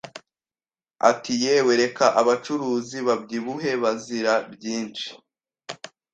Ati yewe reka abacuruzi babyibuhe bazira byinshi